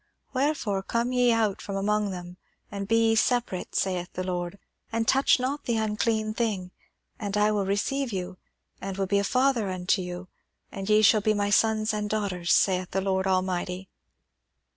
Wherefore come ye out from among them, and be ye separate, saith the Lord, and touch not the unclean thing; and I will receive you, and will be a father unto you, and ye shall be my sons and daughters, saith the Lord Almighty.'"